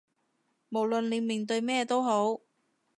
無論你面對咩都好